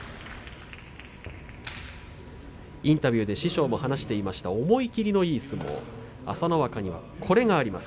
インタビューで師匠も話していました思い切りのいい相撲朝乃若にはこれがあります。